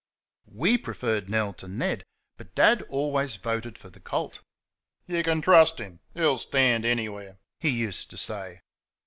WE preferred Nell to Ned, but Dad always voted for the colt. "You can trust him; he'll stand anywhere," he used to say.